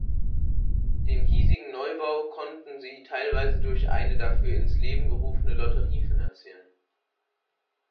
Den hiesigen Neubau konnten sie teilweise durch eine dafür ins Leben gerufen Lotterie finanzieren.